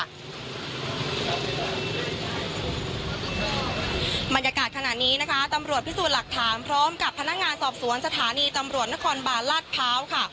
บรรยากาศขณะนี้นะคะตำรวจพิสูจน์หลักฐานพร้อมกับพนักงานสอบสวนสถานีตำรวจนครบาลลาดพร้าวค่ะ